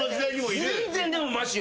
全然でもましよ。